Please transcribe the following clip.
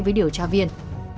với điều tra viên